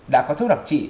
đã có thuốc đặc trị